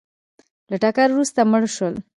له ټکر وروسته مړه شول